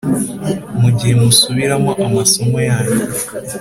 mu gihe musubiramo amasomo yanyu